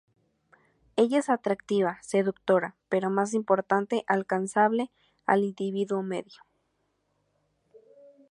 Ella es atractiva, seductora, pero más importante "alcanzable" al individuo medio.